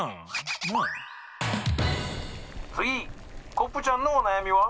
コップちゃんのおなやみは？」。